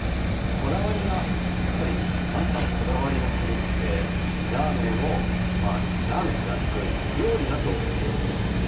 やっぱりマスターのこだわりがすごくて、ラーメンをラーメンではなく、料理だと思ってほしいという。